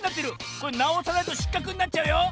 これなおさないとしっかくになっちゃうよ。